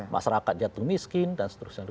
masyarakat jatuh miskin dan seterusnya